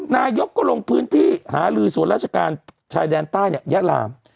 นายกก็ลงพื้นที่หาลือส่วนราชการชายแดนใต้เนี่ยยาลาม